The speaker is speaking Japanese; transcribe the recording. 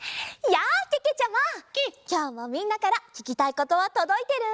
きょうもみんなからききたいことはとどいてる？